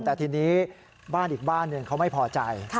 แต่ทีนี้บ้านอีกบ้านหนึ่งเขาไม่พอใจ